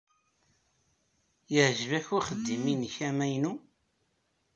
Yeɛjeb-ak uxeddim-nnek amaynu?